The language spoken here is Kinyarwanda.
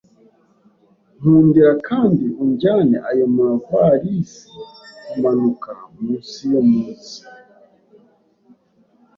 Nkundira kandi ujyane ayo mavalisi kumanuka munsi yo munsi.